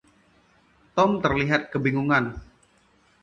Tom terlihat sedikit kebingungan.